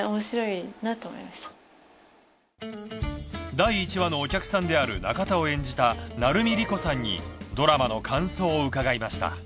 第１話のお客さんである中田を演じた成海璃子さんにドラマの感想を伺いました。